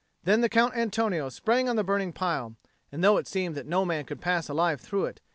Then the Count Antonio sprang on the burning pile, though it seemed that no man could pass alive through it.